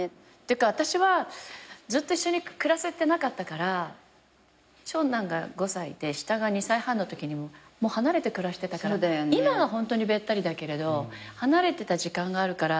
私はずっと一緒に暮らせてなかったから長男が５歳で下が２歳半のときに離れて暮らしてたから今はホントにべったりだけれど離れてた時間があるから。